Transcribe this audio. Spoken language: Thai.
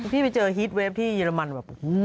พี่ไปเจอฮีตเวฟที่เยอรมันแบบ